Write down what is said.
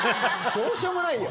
どうしようもないよ。